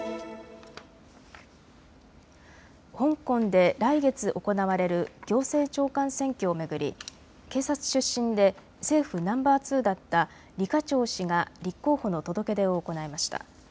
香港で来月行われる行政長官選挙を巡り、警察出身で政府ナンバー２だった李家超氏が立候補の届け出を行いました。